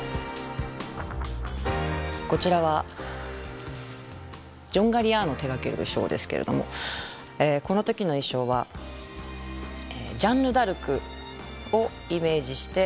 こちらはジョン・ガリアーノ手がけるショーですけれどもこの時の衣装はジャンヌ・ダルクをイメージして作ったコレクション。